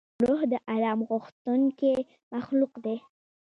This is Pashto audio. روح د آرام غوښتونکی مخلوق دی.